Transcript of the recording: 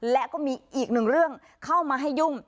และก็มีอีกหนึ่งเรื่องเข้ามาให้ยุ่ง